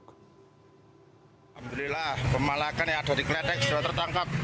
alhamdulillah pemalakan yang ada di kletek sudah tertangkap